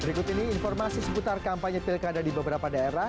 berikut ini informasi seputar kampanye pilkada di beberapa daerah